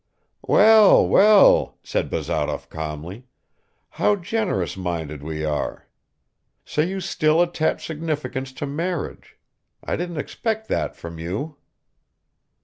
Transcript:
"Well, well," said Bazarov calmly, "how generous minded we are! So you still attach significance to marriage; I didn't expect that from you."